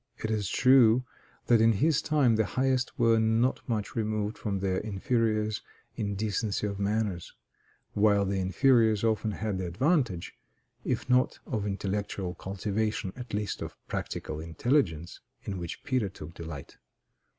It is true that in his time the highest were not much removed from their inferiors in decency of manners; while the inferiors often had the advantage, if not of intellectual cultivation, at least of practical intelligence, in which Peter took delight.